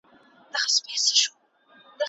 دا لالونه، غرونه، غرونه دمن زما دی